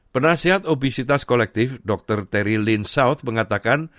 penasihat obesitas kolektif dr terry lynn south mengatakan